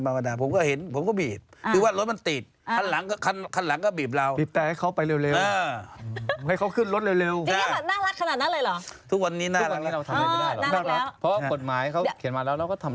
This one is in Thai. มันก็บีบแต้ทรายการ